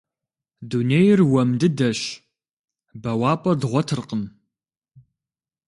Дунейр уэм дыдэщ, бэуапӏэ дгъуэтыркъым.